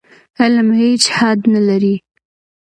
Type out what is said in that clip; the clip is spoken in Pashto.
علم هېڅ حد نه لري.